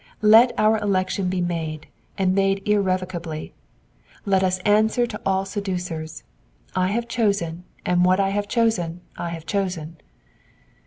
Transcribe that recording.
Let our election be made, and made irrevocably. Let us answer to ail seducers, I have chosen, and what I have chosen I have chosen."